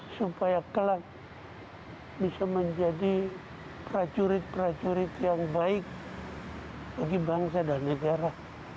supaya kelak bisa menjadi prajurit prajurit yang baik bagi bangsa dan negara